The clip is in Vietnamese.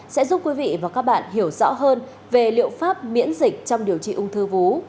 sẽ giúp quý vị và các bạn hiểu rõ hơn về liệu pháp miễn dịch trong điều trị ung thư vú